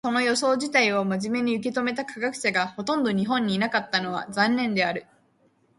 その予想自体を真面目に受け止めた科学者がほとんど日本にいなかったのは残念である。